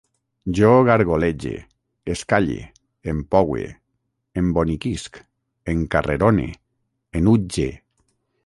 Jo gargolege, escalle, empoue, emboniquisc, encarrerone, enutge